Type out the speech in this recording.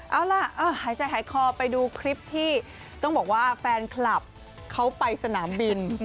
เอาล่ะหายใจหายคอไปดูคลิปที่ต้องบอกว่าแฟนคลับเขาไปสนามบิน